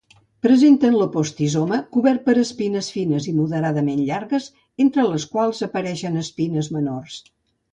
Presenten l'opistosoma cobert per espines fines i moderadament llargues entre les quals apareixen espines menors.